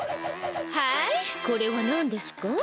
はいこれはなんですか？